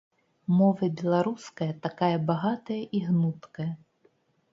Мова беларуская такая багатая і гнуткая.